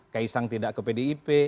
keisang tidak ke pdip